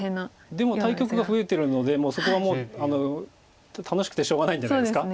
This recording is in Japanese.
でも対局が増えてるのでそこはもう楽しくてしょうがないんじゃないですか。